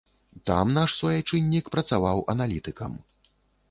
Там наш суайчыннік працаваў аналітыкам.